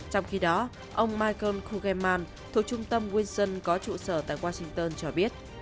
trong khi đó ông michael kugeman thuộc trung tâm winston có trụ sở tại washington cho biết